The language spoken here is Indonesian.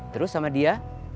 terus sama dia